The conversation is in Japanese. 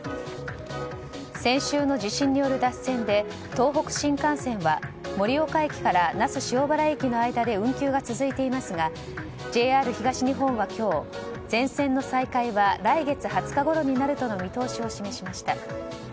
先週の地震による脱線で東北新幹線は盛岡駅から那須塩原駅の間で運休が続いていますがＪＲ東日本は今日、全線の再開は来月２０日ごろになるとの見通しを示しました。